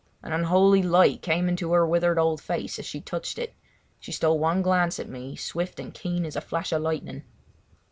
An unholy light came into her withered old face, as she touched it. She stole one glance at me swift and keen as a flash of lightning.